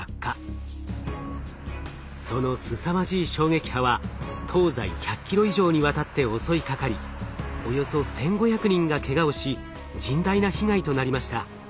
そのすさまじい衝撃波は東西１００キロ以上にわたって襲いかかりおよそ１，５００人がけがをし甚大な被害となりました。